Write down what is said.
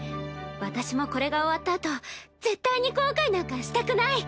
私もこれが終わったあと絶対に後悔なんかしたくない。